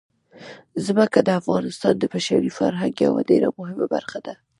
ځمکه د افغانستان د بشري فرهنګ یوه ډېره مهمه برخه ده.